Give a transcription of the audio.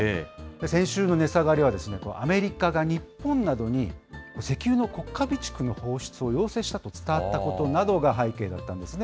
先週の値下がりは、アメリカが日本などに石油の国家備蓄の放出を要請したと伝わったことなどが背景だったんですね。